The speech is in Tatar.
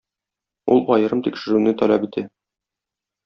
Ул аерым тикшерүне таләп итә.